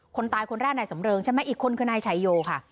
คนตายคนแรกนายสำเริงใช่ไหมอีกคนคือนายชายโยค่ะ